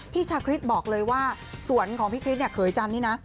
พี่ชาคริสบอกเลยว่าสวนของพี่คริสเคยจันทร์นี่นะ